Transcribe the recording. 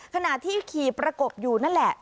ขณะที่ขี่ประกบอยู่นั่นแหละ